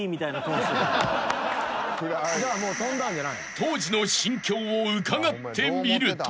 ［当時の心境を伺ってみると］